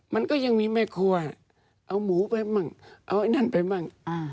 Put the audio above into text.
มันก็ยังมีแม่ครัวเอาหมูไปมั่งเอาไอ้นั่นไปมั่ง